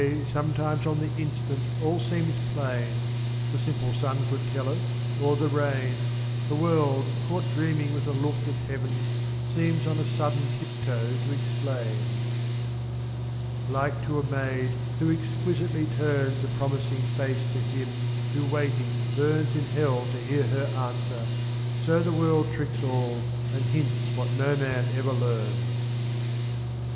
sometimes on the instant all seems plain, The simple sun could tell us, or the rain; 74. The world, caught dreaming with a look of heaven, Seems on a sudden tip toe to explain. Like to a maid who exquisitely turns A promising face to him who, waiting, burns 77* In hell to hear her answer — so the world Tricks all, and hints what no man ever learns.